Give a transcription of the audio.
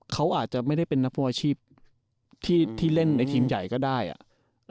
เขาอาจจะไม่ได้เป็นนักฟุตบอลอาชีพที่เล่นในทีมใหญ่ก็ได้อ่ะ